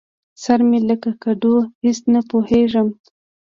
سر مې لکه کدو؛ هېڅ نه پوهېږم.